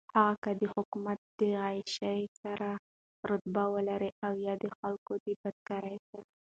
هغــه كه دحــكومت دعيــاشۍ سره رابطه ولري اويا دخلـــكو دبدكارۍ سره.